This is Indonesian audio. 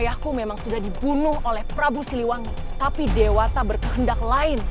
ayahku memang sudah dibunuh oleh prabu siliwangi tapi dewa tak berkehendak lain